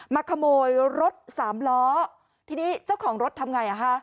มาขโมยรถสามล้อทีนี้เจ้าของรถทำไงอ่ะฮะ